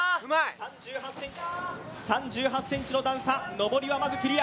３８ｃｍの段差、上りはまずクリア。